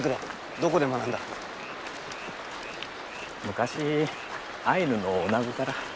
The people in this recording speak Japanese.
昔アイヌの女子から。